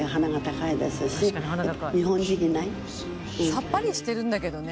さっぱりしてるんだけどね。